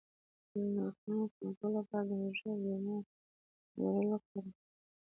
د نوکانو کلکولو لپاره د هوږې او لیمو ګډول وکاروئ